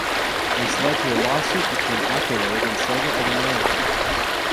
This led to a lawsuit between Accolade and Sega of America.